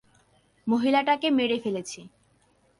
মহিলাটাকে মেরে ফেলেছি!